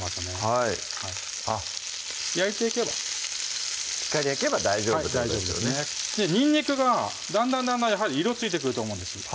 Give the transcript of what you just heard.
はい焼いていけばしっかり焼けば大丈夫というにんにくがだんだんだんだん色ついてくると思うんです